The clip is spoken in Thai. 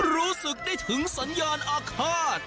รู้สึกได้ถึงสัญญาณอาฆาต